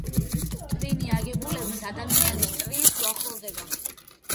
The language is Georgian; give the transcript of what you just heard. ტვინი აგებულებით ადამიანის ტვინს უახლოვდება.